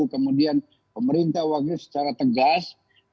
kemudian pemerintah wakil secara tegas